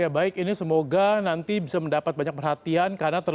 ya baik ini semoga nanti bisa mendapat banyak perhatian